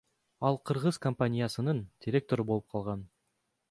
Ал кыргыз компаниясынын директору болуп калган.